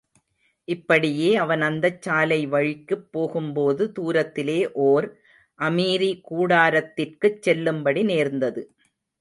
இப்படியே அவன் அந்தச் சாலைவழிக்குப் போகும்போது தூரத்திலே ஓர் அமீரி கூடாரத்திற்குச் செல்லும்படி நேர்ந்தது.